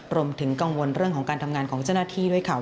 รวมถึงกังวลเรื่องของการทำงานของเจ้าหน้าที่ด้วยค่ะ